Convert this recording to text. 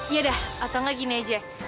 yaudah atau gak gini aja